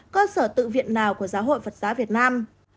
cơ sở tự viện nào của giáo hội phật giáo việt nam